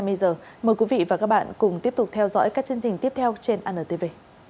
mời quý vị và các bạn cùng tiếp tục theo dõi các chương trình tiếp theo trên antv